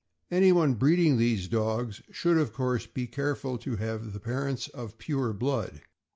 Anyone breeding these dogs should of course be careful to have the parents of pure blood.